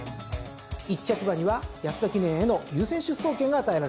１着馬には安田記念への優先出走権が与えられます。